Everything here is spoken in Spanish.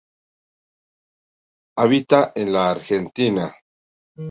Habita en la Argentina.